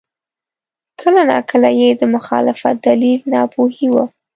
کله ناکله یې د مخالفت دلیل ناپوهي وه.